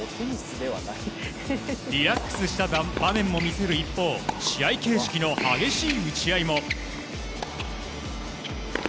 リラックスした場面も見せる一方試合形式の激しい打ち合いも。